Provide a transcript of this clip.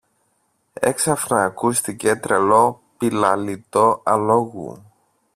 Έξαφνα ακούστηκε τρελό πηλαλητό αλόγου.